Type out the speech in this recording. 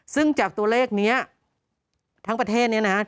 ซึ่งจากตัวเลขนี้ทั้งประเทศนี้นะครับ